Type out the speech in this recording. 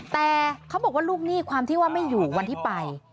แต่เขาบอกว่าลูกหนี้ความที่ว่าไม่อยู่วันที่ไป